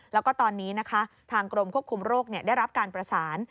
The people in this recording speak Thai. แล้วก็ตอนนี้นะคะทางกรมควบคุมโรคได้รับการประสาน